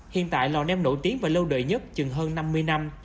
hiện tại lò nem nổi tiếng và lâu đời nhất chừng hơn năm mươi năm